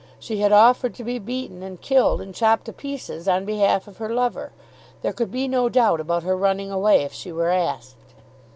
She had offered to be beaten, and killed, and chopped to pieces on behalf of her lover. There could be no doubt about her running away if she were asked.